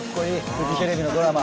フジテレビのドラマ。